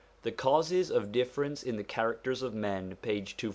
The Causes of Difference in the Characters of Men,' page 247.